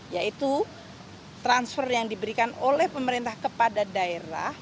yaitu transfer yang diberikan oleh pemerintah kepada daerah